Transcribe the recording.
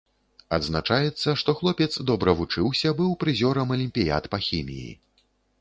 Адзначаецца, што хлопец добра вучыўся, быў прызёрам алімпіяд па хіміі.